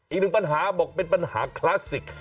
อีกหนึ่งปัญหาบอกเป็นปัญหาคลาสสิก